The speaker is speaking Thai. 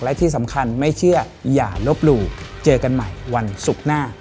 และที่สำคัญไม่เชื่ออย่าลบหลู่เจอกันใหม่วันศุกร์หน้า